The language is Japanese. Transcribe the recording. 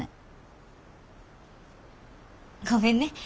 ごめんね。